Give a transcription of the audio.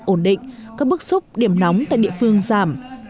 ổn định các bước xúc điểm nóng tại địa phương giảm